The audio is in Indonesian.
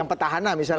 yang petahana misalnya